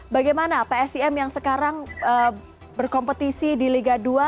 bagaimana psim yang sekarang berkompetisi di liga dua